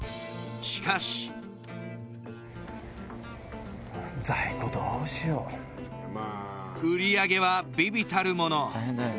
しかし売り上げは微々たるもの